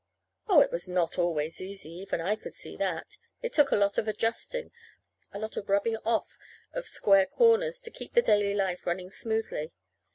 Oh, it was not always easy even I could see that. It took a lot of adjusting a lot of rubbing off of square corners to keep the daily life running smoothly.